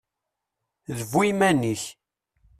Ddu iman-ik.